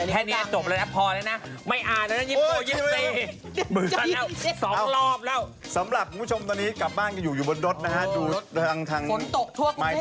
แต่เราไม่ดังคนก็เลยไม่